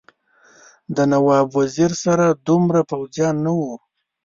د نواب وزیر سره دومره پوځیان نه وو.